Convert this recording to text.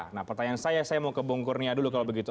nah pertanyaan saya saya mau ke bung kurnia dulu kalau begitu